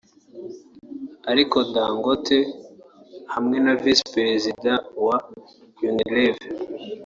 Aliko Dangote hamwe na Visi Perezida wa Unilever